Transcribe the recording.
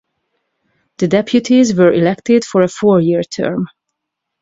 The deputies were elected for a four-year term.